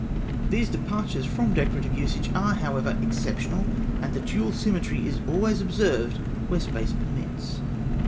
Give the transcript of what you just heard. These departures from decorative usage are, however, exceptional, and the dual symmetry is always observed where space permits.